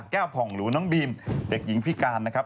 แก้วผ่องหรูน้องบีมเด็กหญิงพิการนะครับ